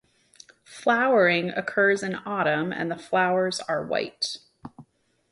Flowering occurs in autumn and the flowers are white.